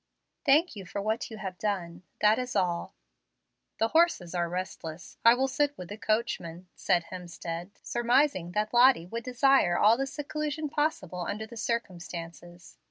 "Thank you for what you have done. That is all." "The horses are restless; I will sit with the coachman," said Hemstead, surmising that Lottie would desire all the seclusion possible under the circumstances.